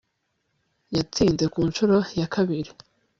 Yatsinze ku ncuro ya kabiri